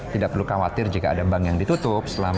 tidak perlu khawatir jika ada bank yang ditutup